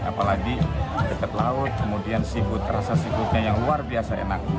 apalagi dekat laut kemudian seafood rasa seafoodnya yang luar biasa enak